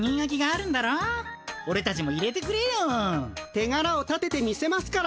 てがらを立ててみせますから。